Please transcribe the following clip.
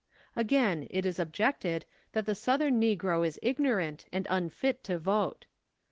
Again, it is objected, that the Southern negro is igno rant and unfit to vote.